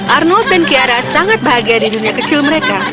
arnold dan kiara sangat bahagia di dunia kecil mereka